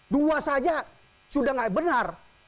dua saja sudah tidak benar